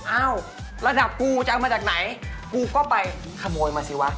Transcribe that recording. เอ้าระดับกูจะเอามาจากไหนกูก็ไปขโมยมาสิวะ